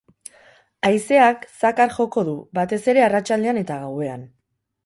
Haizeak zakar joko du, batez ere arratsaldean eta gauean.